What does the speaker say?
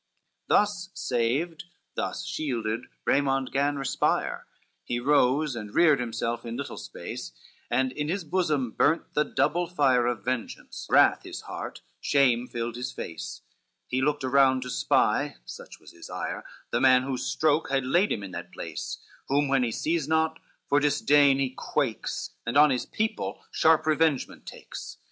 LXXXVII Thus saved, thus shielded, Raymond 'gan respire, He rose and reared himself in little space, And in his bosom burned the double fire Of vengeance; wrath his heart; shame filled his face; He looked around to spy, such was his ire, The man whose stroke had laid him in that place, Whom when he sees not, for disdain he quakes, And on his people sharp revengement takes.